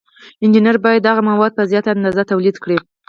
انجینران باید دغه مواد په زیاته اندازه تولید کړي.